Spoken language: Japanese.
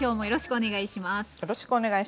よろしくお願いします。